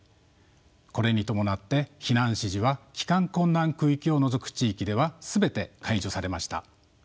これに伴って避難指示は帰還困難区域を除く地域では全て解除されました。